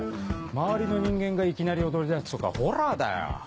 周りの人間がいきなり踊り出すとかホラーだよ。